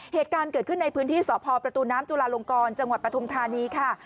เหตุการณ์เกิดขึ้นในพื้นที่สพประตูน้ำจุลาลงกรจังหวัดปฐุมธานีค่ะ